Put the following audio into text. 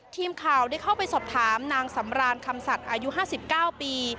ทีมข่าวได้เข้าไปสอบถามนางสำรานคำสัตว์อายุ๕๙ปี